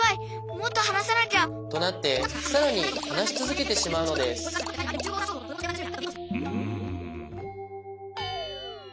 もっとはなさなきゃ！となってさらにはなしつづけてしまうのですん？